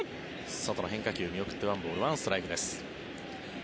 外の変化球、見送って１ボール１ストライクです。